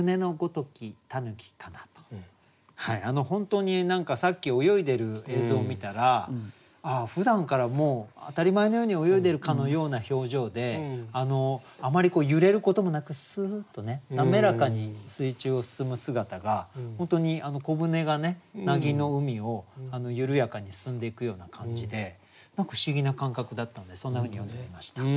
本当に何かさっき泳いでる映像見たらふだんからもう当たり前のように泳いでるかのような表情であまり揺れることもなくスーッとね滑らかに水中を進む姿が本当に小舟がなぎの海を緩やかに進んでいくような感じで不思議な感覚だったんでそんなふうに詠んでみました。